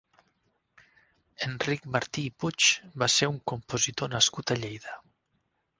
Enric Martí i Puig va ser un compositor nascut a Lleida.